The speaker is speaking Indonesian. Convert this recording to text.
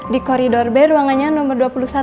di koridor b ruangannya nomor dua puluh satu